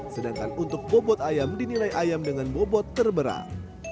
sedangkan untuk bobot ayam dinilai ayam dengan bobot terberat